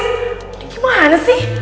udah gimana sih